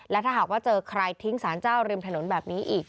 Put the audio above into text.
และถ้าหากว่าเจอใครทิ้งสารเจ้าริมถนนแบบนี้อีก